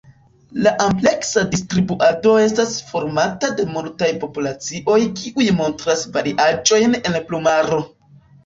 La ampleksa distribuado estas formata de multaj populacioj kiuj montras variaĵojn en plumaro.